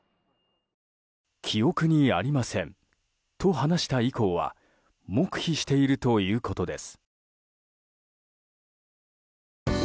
記憶にありませんと話した以降は黙秘しているということです。